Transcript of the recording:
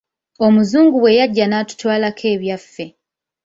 Omuzungu bwe yajja n'atutwalako ebyaffe.